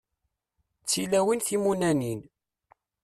D tilawin timunanin.